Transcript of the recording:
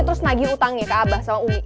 trus nagih utangnya ke abah sama umi